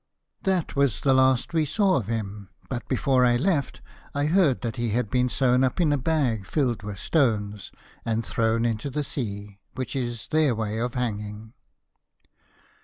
'That was the last we saw of him, but before I left I heard that he had been sewn up in a bag filled with stones, and thrown into the sea, which is their way of hanging.'